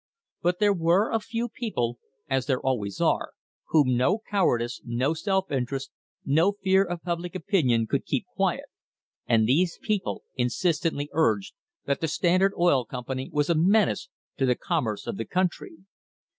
But there were a few people, as there always are, whom no cowardice, no self interest, no fear of public opinion could keep quiet, and these people insistently urged that the Standard Oil Company was a menace to the commerce of the country.